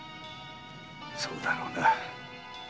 そうだろうな。